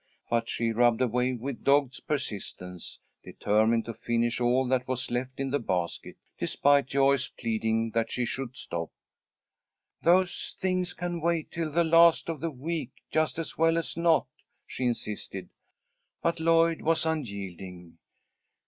But she rubbed away with dogged persistence, determined to finish all that was left in the basket, despite Joyce's pleading that she should stop. "Those things can wait till the last of the week just as well as not," she insisted. But Lloyd was unyielding.